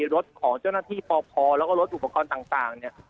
รถของเจ้าหน้าที่ปพแล้วก็รถอุปกรณ์ต่างเนี่ย